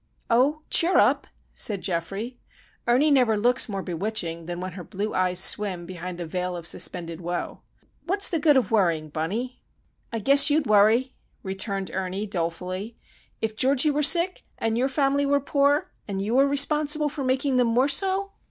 "Oh, cheer up," said Geoffrey. Ernie never looks more bewitching than when her blue eyes swim behind a veil of suspended woe. "What's the good of worrying, Bunnie?" "I guess you'd worry," returned Ernie, dolefully, "if Georgie were sick, and your family were poor, and you were responsible for making them more so!